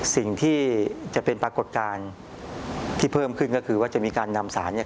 สิ่งที่จะเป็นปรากฏการณ์ที่เพิ่มขึ้นก็คือว่าจะมีการนำสารเนี่ย